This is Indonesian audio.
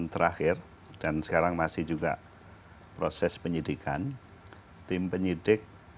guidance terhadap kejaksaan akung untuk